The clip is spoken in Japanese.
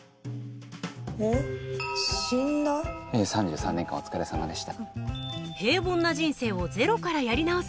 ３３年間お疲れさまでした。